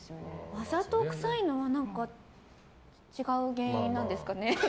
わざとくさいのは違う原因なんですかね。